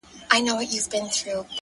زه د جنتونو و اروا ته مخامخ يمه؛